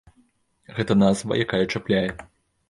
Гэта назва, якая чапляе.